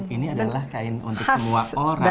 ini adalah kain untuk semua orang